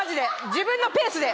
自分のペースで。